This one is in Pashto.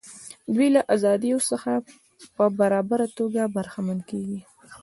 دوی له ازادیو څخه په برابره توګه برخمن کیږي.